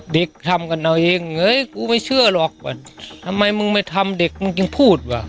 เด็กทำกันเอาเองเง้กูไม่เชื่อหรอกว่าทำไมมึงไม่ทำเด็กมึงจึงพูดว่ะ